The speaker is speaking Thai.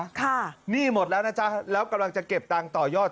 หนี้หมดแล้วนะจ๊ะแล้วกำลังจะเก็บตังค์ต่อยอด